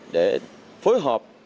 để phối hợp